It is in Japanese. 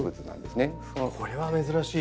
これは珍しい！